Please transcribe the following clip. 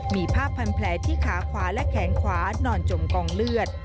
มีภาพพันแผลที่ขาขวาและแขนขวานอนจมกองเลือด